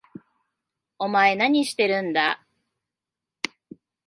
お前何してるんだ？